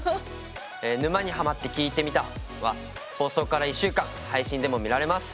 「沼にハマってきいてみた」は放送から１週間配信でも見られます。